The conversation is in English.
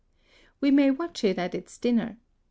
] We may watch it at its dinner.